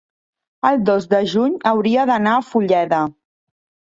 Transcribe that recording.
el dos de juny hauria d'anar a Fulleda.